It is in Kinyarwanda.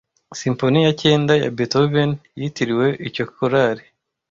Symphony ya cyenda ya Beethoven yitiriwe icyo Korali